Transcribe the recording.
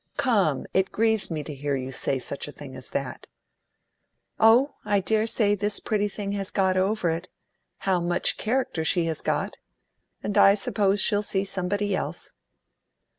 Come! It grieves me to hear you say such a thing as that." "Oh, I dare say this pretty thing has got over it how much character she has got! and I suppose she'll see somebody else."